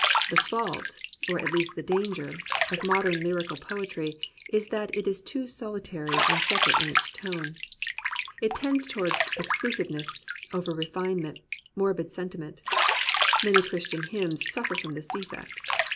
The fault, or at least the danger, of modern lyrical poetry is that it is too solitary and separate in its tone. It tends towards exclusiveness, over refinement, morbid sen timent. Many Christian hymns suffer from this defect.